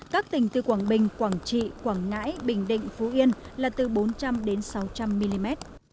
các tỉnh từ quảng bình quảng trị quảng ngãi bình định phú yên là từ bốn trăm linh đến sáu trăm linh mm